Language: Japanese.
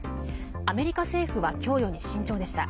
アメリカ政府は供与に慎重でした。